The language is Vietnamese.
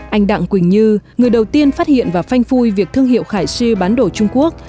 anh đặng quỳnh như người đầu tiên phát hiện và phanh phui việc thương hiệu khải si bán đổ trung quốc